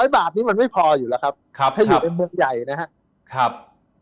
๐บาทนี้มันไม่พออยู่แล้วครับให้อยู่ในเมืองใหญ่นะครับ